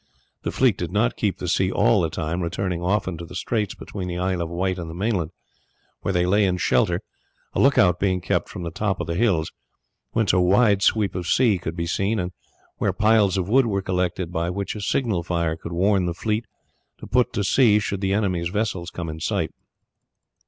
The fleet did not keep the sea all the time, returning often to the straits between the Isle of Wight and the mainland, where they lay in shelter, a look out being kept from the top of the hills, whence a wide sweep of sea could be seen, and where piles of wood were collected by which a signal fire could warn the fleet to put to sea should the enemy's vessels come in sight.